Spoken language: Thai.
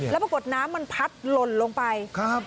แล้วปรากฏน้ำมันพัดลนลงไป